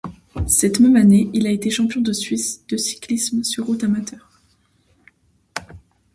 Cette même année, il a été Champion de Suisse de cyclisme sur route amateur.